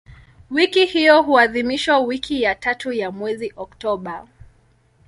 Wiki hiyo huadhimishwa wiki ya tatu ya mwezi Oktoba.